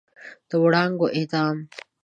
د وړانګو اعدام